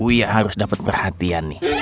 wia harus dapet perhatian nih